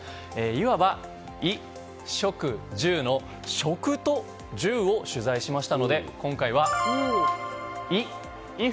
いわば、衣食住の食と住を取材しましたので今回は、衣。